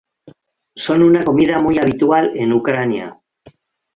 Son una comida muy habitual en Ucrania.